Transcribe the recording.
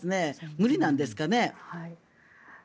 無理なんですかね。